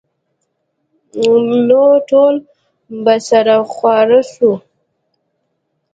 نو ټول به سره خواره سو.